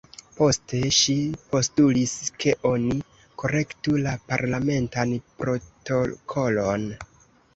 Poste ŝi postulis, ke oni korektu la parlamentan protokolon.